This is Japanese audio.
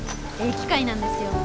機械なんですよ。